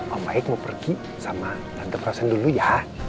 om baik mau pergi sama nante prasen dulu ya